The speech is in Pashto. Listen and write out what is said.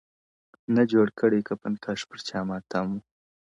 نه جوړ کړی کفن کښ پر چا ماتم وو،